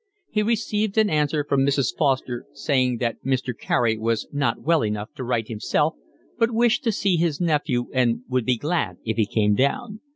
He received an answer from Mrs. Foster, saying that Mr. Carey was not well enough to write himself, but wished to see his nephew and would be glad if he came down.